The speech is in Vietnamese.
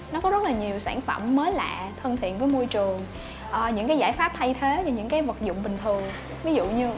nó có rất là nhiều sản phẩm mới lạ thân thiện với môi trường những cái giải pháp thay thế cho những cái vật dụng bình thường